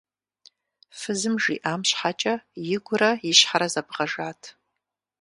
Фызым жиӀам щхьэкӀэ игурэ и щхьэрэ зэбгъэжат.